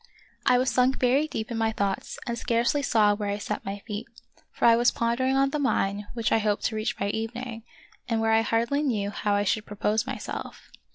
I was sunk very deep in my thoughts and of Peter SchlemihL 99 scarcely saw where I set my feet, for I was pondering on the mine which I hoped to reach by evening, and where I hardly knew how I should propose myself.